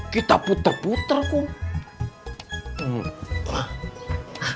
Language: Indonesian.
kita puter puter cuk